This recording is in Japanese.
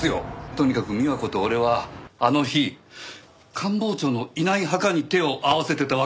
とにかく美和子と俺はあの日官房長のいない墓に手を合わせてたわけですよね？